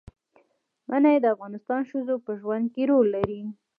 منی د افغان ښځو په ژوند کې رول لري.